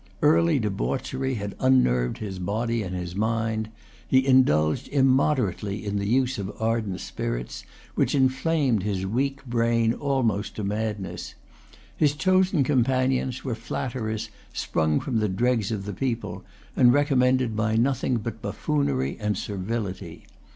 Early debauchery had unnerved his body and his mind. He indulged immoderately in the use of ardent spirits, which inflamed his weak brain almost to madness. His chosen companions were flatterers sprung from the dregs of the people, and recommended by nothing but buffoonery and, servility.